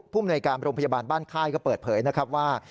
มนวยการโรงพยาบาลบ้านค่ายก็เปิดเผยนะครับว่า